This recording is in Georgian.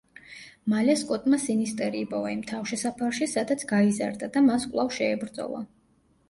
მალე სკოტმა სინისტერი იპოვა იმ თავშესაფარში, სადაც გაიზარდა და მას კვლავ შეებრძოლა.